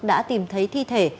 đã tìm thấy thi thể